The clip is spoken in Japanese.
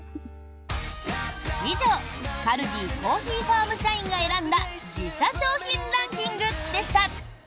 以上、カルディコーヒーファーム社員が選んだ自社商品ランキングでした！